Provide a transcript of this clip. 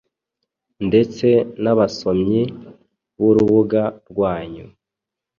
ndetse n’abasomyi b’urubuga rwanyu